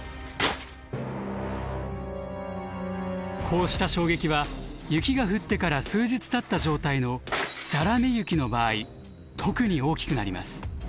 こうした衝撃は雪が降ってから数日たった状態のざらめ雪の場合特に大きくなります。